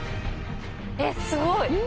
えっすごい！